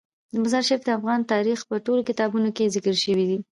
مزارشریف د افغان تاریخ په ټولو کتابونو کې ذکر شوی دی.